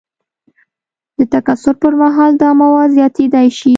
د تکثر پر مهال دا مواد زیاتیدای شي.